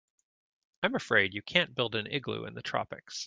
I'm afraid you can't build an igloo in the tropics.